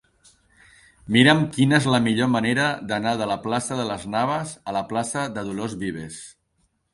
Mira'm quina és la millor manera d'anar de la plaça de Las Navas a la plaça de Dolors Vives.